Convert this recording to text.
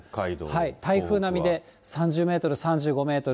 台風並みで、３０メートル、３５メートル。